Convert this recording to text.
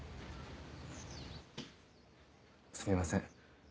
すみません。